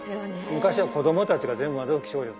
昔は子どもたちが全部窓拭き。